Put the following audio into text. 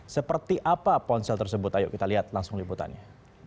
seperti apa ponsel tersebut ayo kita lihat langsung liputannya